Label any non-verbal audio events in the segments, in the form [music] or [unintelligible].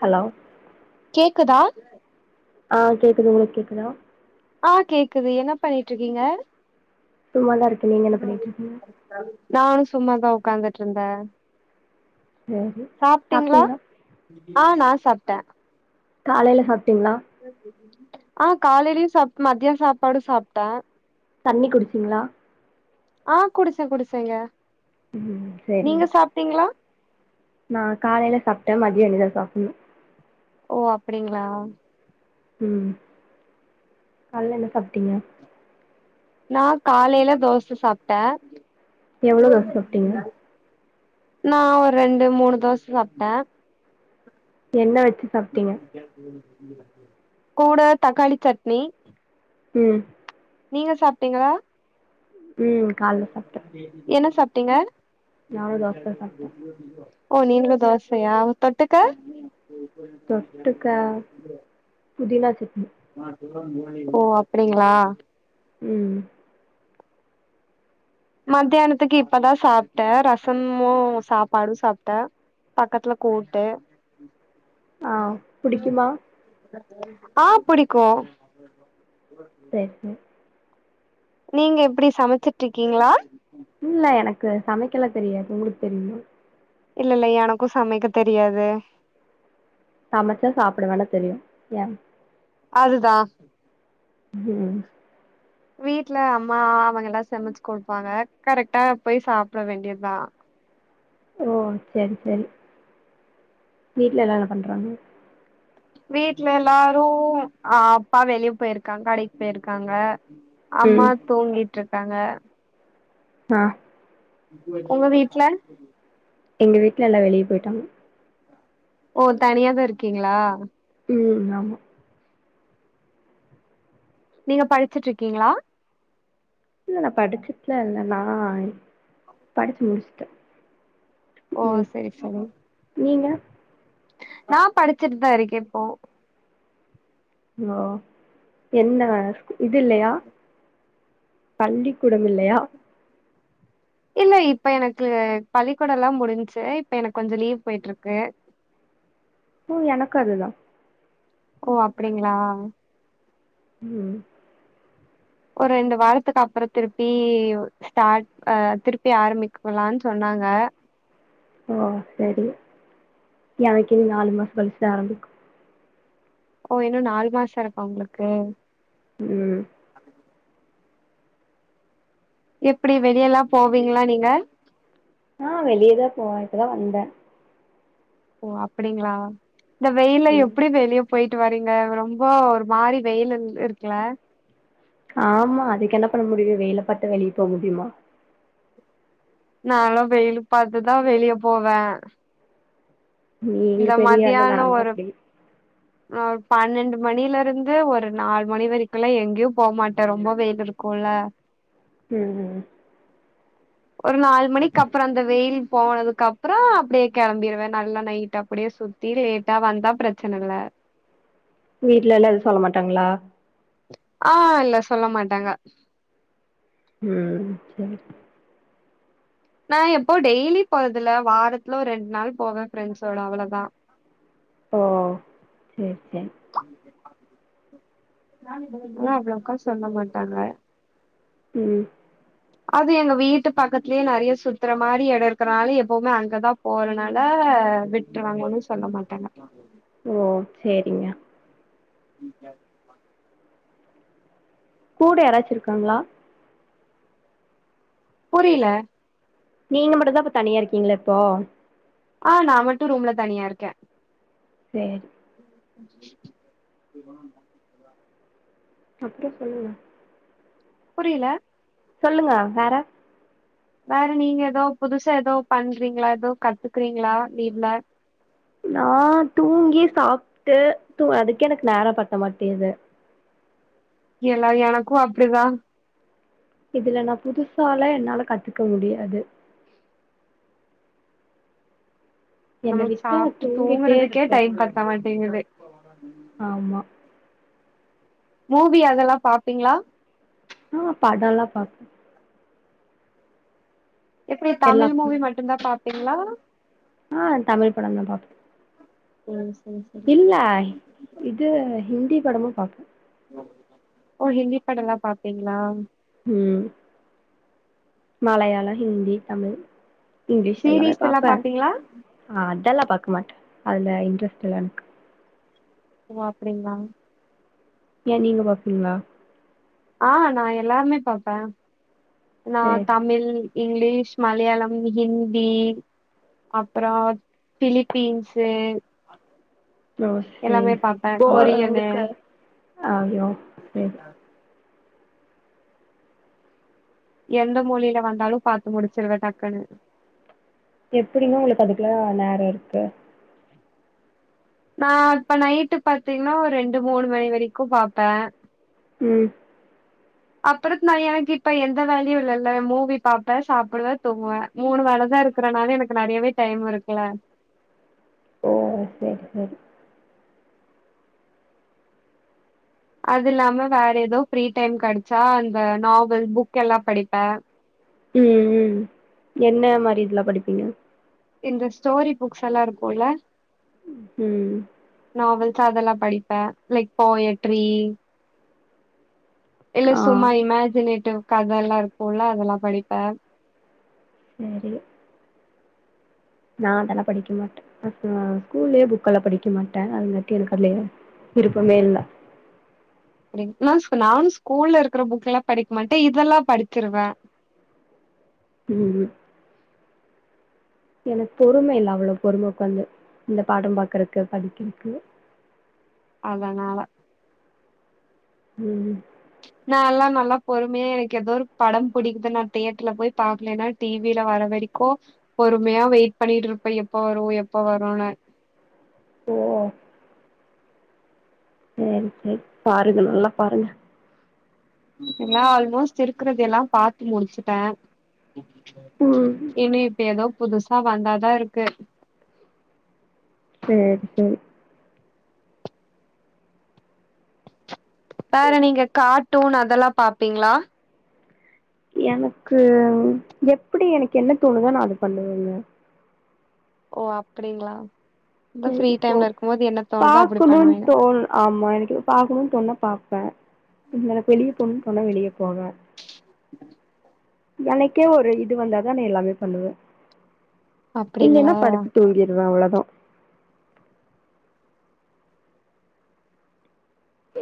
hello கேக் க்குதா ஆ கேக்குது உங்களுக்கு கேக்குதா ஆ கேக்குது என்ன பண்ணிட்ருக்கிங்க சும்மாதா இருக்கே நீங்க என்ன பண்ணிட்டு இருக்கீங்க நா சும்மாதா உக்காந்துட்டு இருந்தேன் சேரி சாப்பிட்டீங்களா சாப்ட்டீங்களா ஆ நா சாப்ட்ட காலைல சாப் ட்டிங்களா ஆ காலைலயும் சாப்டு மத்தியா சாப்பாடும் சாப்டே தண்ணி குடிச்சீங்களா ஆ குடிச்சே குடிச்சேங்க ம் நீங்க சேரிங்க சாப்ட்டீங்களா நா காலைல சாப்பிட்ட மதியம் இனிதா சாப்டணும் ஓ அப்படிங்களா உம் காலைல என்ன சாப்ட்டீங்க நா காலைல தோச சாப்ட்டே எவ்ளோ தோச சாப்டிங்க நா ஒரு ரெண்டு மூணு தோச சாப்ட்டே என்ன வச் [unintelligible] கூட தக்காளி சட்னி ம் நீங்க சாப்ட்டீங்களா ம் கால்ல சாப்ட்டே என்ன சாப் டிங்க நானு தோசதா சாப்ட்டே [inaudible] ஓ நீங்களும் தோசையா தொட்டுக்க தொட்டுக்க புதினா ச ஆ செரி ஓ அப்பிடிங்களா ம் மத்தியானத்துக்கு இப்பதான் சாப்ட்டேன் ரசமும் சாப்பாடும் சாப்ட்டேன் பக்கத்துல கூட்டு ஆ புடிக்குமா ஆ புடிக்கும் செரி செரி நீங்க எப்பிடி சமைச்சிட்டு இருக்கீங்களா இல்ல எனக்கு சமைக்கலா தெரியாது உங்களுக்கு தெரியுமா இல்ல இல்ல எனக்கு சமைக்க தெரியாது சமச்சா சாப்பட வேணா தெரியு ஏ அதுதா ம் வீட்ல அம்மா அவங்கெலா செமச்சி குடுப்பாங்க கரெக்டா போய் சாப்ட வேண்டியதா ஓ செரி செரி வீட்ல எல்லா என்ன பண்றாங்க வீட்ல எல்லாரு அப்பா வெளிய போயிருக்காங்க கடைக்கு போயிருக்காங்க அம்மா ம் தூங்கி ட்ருக்காங்க ஆ உங்க வீட்ல எங்க வீட்ல எல்லா வெளிய போயிட்டாங்க ஓ தனியாதா இருக்கிங்களா ம் ஆமா நீங்க படிச்சிட்ருக்கிங்ளா இல்ல நா படிச்சிட்லா இல்ல நா படிச்சி முடிச்சி ஓ செரி செரி நீங்க நா படிச்சிட்டுதா இருக்கே இப்போ ஓ என்ன இது இல்லயா பள்ளிக் கூடமில்லயா இல்ல இப்ப எனக்கு பள்ளிக்கூடலா முடிஞ்ச்சு இப்ப எனக்கு கொஞ்சோ லீவ் போயிட்ருக்கு உம் எனக்கு அதுதா ஓ அப்டிங்ளா உம் ஒரு ரெண்டு வாரத்துக்கு அப்ற திருப்பி ஸ்டார்ட் ஆஹ் திருப்பி ஆரம்மிக்கலான் சொன்னாங்க ஓ செரி எனக்கு இன்னு நாலு மாசோ கழிச்சு தா ஆரம்பிக்கு ஓ இன்னு நாலு மாச இருக்கா உங்களுக்கு உம் எப்டி வெளியலா போவீங்ளா நீங்க ஆஹ் வெளியதா போவே இப்ப தா வந்தே ஓ அப்டிங்ளா இந்த வெயில்ல ம் எப்டி வெளிய போயிட்டு வர்றீங்க ரொம்ப ஒரு மாறி வெயிலு இருக்குல ஆமா அதுக்கு என்ன பண்ண முடியு வெயில பாத்த வெளிய போ முடிமா நாலா வெயிலு பாத்துதா வெளிய போவே நீங்க பெரிய ஆளு நாங்களா அப்டி நா ஒரு பன்னெண்டு மணில இருந்து ஒரு நாலு மணி வரைக்குலா எங்கேயு போமாட்டே ரொம்ப வெயில் இருக்குல்ல உம் உம் ஒரு நாலு மணிக்கு அப்ற அந்த வெயில் போனதுக்கப்றோ அப்டியே கெளம்பிருவே நல்லா நைட் அப்டியே சுத்தி லேட்டா வந்தா பிரச்சன இல்ல வீட்லெல்லா எதுவு சொல்ல மாட்டாங்ளா ஆஹ் இல்ல சொல்ல மாட்டாங்க உம் செரி நா எப்போவு டெய்லி போறதில்ல வாரத்துல ஒரு ரெண்டு நாள் போவே ஃப்ரெண்ட்ஸோட அவளவுதா ஓ செர் செரி ஆஹ் அவ்ளோக்கா சொல்ல மாட்டாங்க உம் அது எங்க வீட்டு பக்கத்லே நெறைய சுத்ற மாரி எட இருக்கனால எப்பவுமே அங்கதா போறனால விட்றாங்கனு சொல்ல மாட்டேங்க ஓ சேரிங்க கூட யாராச்சு இருக்காங்ளா புரியல நீங்க மட்டு தா இப்ப தனியா இருக்கீங்ளா இப்ப ஆஹ் நா மட்டு ரூம்ல தனியா இருக்கே சேரி அப்றோ சொல்லுங்க புரியல சொல்லுங்க வேற வேற நீங்க ஏதோ புதுசா ஏதோ பண்றீங்களா ஏதோ கத்துக்குறீங்களா லீவ்ல நா தூங்கி சாப்ட்டு அதுக்கே எனக்கு நேரம் பத்த மாட்டேங்து எல்லா எனக்கு அப்படிதா இதுல நா புதுசால என்னால கத்துக்க முடியாது என்ன நமக்கு விட்டா சாப்ட்டு தூங்கிட்டே தூங்குறதுக்கே இருப்பே டைம் பத்த மாட்டேங்குது ஆமா மூவி அதெல்லா பாப்பீங்களா ஆஹ் படலா பாப்ப எப்படி எல்லா தமிழ் மூவி மட்டும்தா பாப் எல்லாரு ஆஹ் தமிழ் படம் தா பாப்போ உம் இல்ல இது ஹிந்தி படமு பாப்போ ஓ ஹிந்தி படம்ல்லா பாப்பீங்களா உம் மலையாளம் ஹிந்தி தமிழ் இங்கிலீஷ் எல்லாமே சீரீஸ் எல்லா பாப்பே பாப்பீங்களா ஆஹ் அதெல்லா பாக் க்க மாட்டே அதுல இன்ட்ரெஸ்ட் இல்ல எனக்கு ஓ அப்படிங்களா ஏன் நீங்க பாப்பீங்களா ஆஹ் நா எல்லாருமே பாப்பே நா சேரி தமிழ் இங்கிலீ மலையாளம் ஹிந்தி அப்புறோ பிலிப்பீன்ஸு ஓ சரி எல்லாமே பாப்பே தோ கொரியனு உங்களுக்கு அயோ சரி எந்த மொழில வந்தாலு பாத்து முடிச்சிருவே டக்குன்னு எப்டிங்க உங்களுக்கு அதுக்குல்லா நேரம் இருக்கு நா இப்ப நைட்டு பாத்தீங்கன்னா ஒரு ரெண்டு மூணு மணி வரைக்கு பாப்பே ம் அப்பறத் நா எனக்கு இப்ப எந்த வேலையு இல்லல்ல மூவி பாப்பே சாப்டுவே தூங்குவே மூணு வேலதா இருக்கறனால எனக்கு நிறையவே டைம் இருக்குல ஓ செரி செரி அது இல்லாம வேற ஏதோ ஃப்ரீ டைம் கெடைச்சா அந்த நாவல் புக் எல்லா படிப்பே ம் ம் என்ன மாரி இதலா படிப்பீங்க இந்த ஸ்டோரி புக்ஸ் எல்லா இருக்குல்ல ம் நாவல்ஸ் அதெல்லா படிப்பே லைக் போயட்ரி இல்ல ஆ சும்மா இமாஜினேட்டிவ் கத எல்லா இருக்குல்ல அதெல்லா படிப்பே செரி நா அதெல்லா படிக்க மாட்டே நா ஸ்கூல்லயே புக்கெல்லா படிக்க மாட்டே அதுங்கட்டி எனக்கு அதுல விருப்பமே இல்ல நா நானு ஸ்கூல்ல இருக்கிற புக் எல்லா படிக்க மாட்டே இதெல்லா படிச்சிருவே ம் எனக்கு பொறுமை இல்ல அவ்வளவு பொறும உக்காந்து இந்த பாடம் பாக்குறக்கு படிக்கிறக்கு அதனால ம் நா எல்லா நல்லா பொறுமையா எனக்கு ஏதோ ஒரு படம் புடிக்து நா தியேட்டர்ல போய் பாக்லினா டி வி ல வர வரைக்கு பொறுமையா வெயிட் பண்ணிட்ருப்ப எப்ப வரு எப்ப வருனு ஓ செரி செரி பாருங்க நல்லா பாருங்க எல்லா ஆல்மோஸ்ட் இருக்கறது எல்லா பாத்து முடிச்சுட்டே ம் இன்னும் இப்ப ஏதோ புதுசா வந்தாதா இருக்கு செரி செரி வேற நீங்க காட் டூன் அதெல்லாம் பாப்பீங்களா எனக்கு எப்டி எனக்கு என்ன தோணுதோ நா அத பண்ணுவேங்க ஓ அப்டிங்களா செரி சிஸ்டர் அப்படி பாக்கணும்னு பண்ணுவீங்க தோணு ஆமா எனக்கு பாக்ணும்னு தோணா பாப் ப்ப எனக் வெளிய போன் பண்ண வெளிய போவ எனக்கே ஒரு இது வந்தா நானே எல்லாமே பண்ணுவ இல்லன்னா அப்படிங்களா படுத்து தூங்கிடுவ அவ்ளோ தா ஆ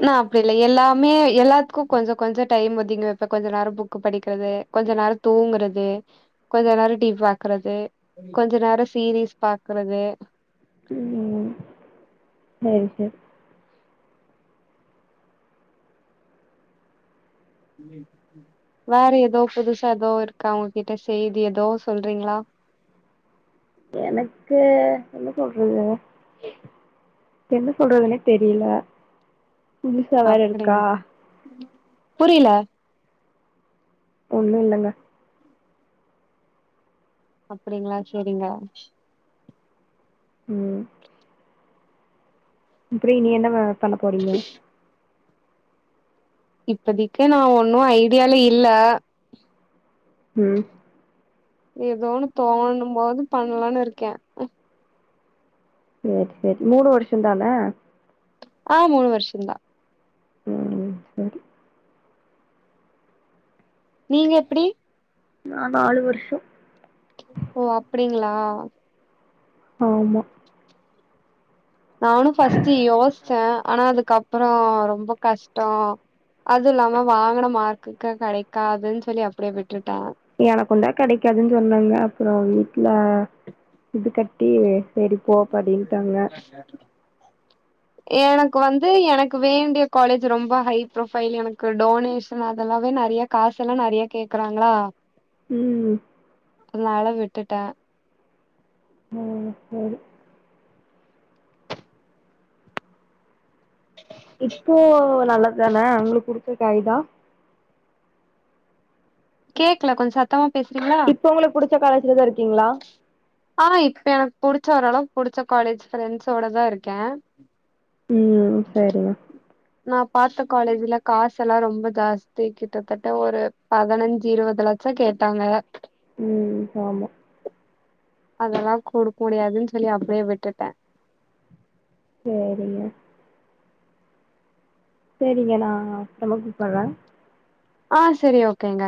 நா அப்டில்ல எல்லாமே எல்லாத்துக்கும் கொஞ்ச கொஞ்ச டைம் ஒதிங்க இப்ப கொஞ்ச நேரம் புக்கு படிக்கிறது கொஞ்ச நேரம் தூங்குறது கொஞ்ச நேரம் டி வி பாக்குறது கொஞ்ச நேரம் சீரீஸ் பாக்குறது ம் செரி செரி வேற ஏதோ புதுசா ஏதோ இருக்கா உங்ககிட்ட செய்தி ஏதோ சொல்றீங்களா எனக்கு என்ன சொல்றது என்ன சொல்றதுன்னே தெரில புதுசா வேற இருக்கா புரில ஒண்ணும் இல்லங்க அப்படிங்களா சரிங்க உம் அப்படி நீ என்ன வ பண்ண போறீங்க இப்பதிக்கு நா ஒன்னும் ஐடியால இல்ல ம் ஏதோன்னு தோணும் போது பண்ணலான்னு இருக்கே சரி சரி மூணு வருஷ தானே ஆ மூணு வருஷம்தா உம் சரி நீங்க எப்படி நா நாலு வருஷம் ஓ அப்படிங்களா ஆமா நானும் ஃபர்ஸ்ட் யோஸ்ச ஆனா அதுக்கப்புறம் ரொம்ப கஷ்ட்டோ அது இல்லாம வாங்கன மார்க்கு கிடைக்காதுன்னு சொல்லி அப்படியே விட்டுட்ட எனக்குந்தா கெடைக்காதுன்னு சொன்னாங்க அப்பறோ வீட்ல இது கட்டி செரி போ படின்ட்டாங்க எனக்கு வந்து எனக்கு வேண்டிய காலேஜ் ரொம்ப ஹை ப்ரொஃபைல் எனக்கு டொனேஷன் அதெல்லாவே நெறையா காசு எல்லா நெறையா கேக்குறாங்களா ம் அதனால விட்டுட்டே ஓ செரி இப்போ நல்லதுதான உங்களுக்கு புடிச்ச காய்தா கேக்கல கொஞ்சோ சத்தமா பேசுறீங்களா ச்ச காலேஜ்லதா இருக்கிங்ளா ஆ இப்ப எனக்கு புடிச்ச ஓரளவுக்கு புடிச்ச காலேஜ் ஃரெண்ட்ஸோட தா இருக்கே ம் செரிமா நா பாத்த காலேஜ்ல காசு எல்லா ரொம்ப ஜாஸ்தி கிட்டத்தட்ட ஒரு பதினஞ்சு இருவது லச்சோ கேட்டாங்க ம் ஆமா அதல்லா குடுக்க முடியாதுன்னு சொல்லி அப்டே விட்டுட்டே சேரிங்க சேரிங்க நா அப்பறமா கூப்பட்ரே ஆ செரி ஓகேங்க